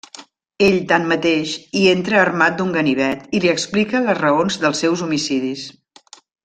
Ell, tanmateix, hi entra armat d'un ganivet i li explica les raons dels seus homicidis.